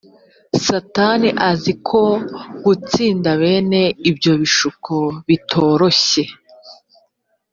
satani azi ko gutsinda bene ibyo bishuko bitoroshye